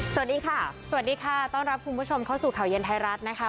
สวัสดีค่ะสวัสดีค่ะต้อนรับคุณผู้ชมเข้าสู่ข่าวเย็นไทยรัฐนะคะ